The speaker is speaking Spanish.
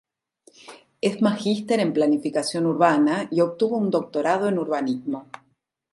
Es Magíster en Planificación Urbana y obtuvo un Doctorado en Urbanismo.